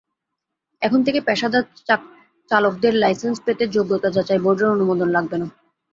এখন থেকে পেশাদার চালকদের লাইসেন্স পেতে যোগ্যতা যাচাই বোর্ডের অনুমোদন লাগবে না।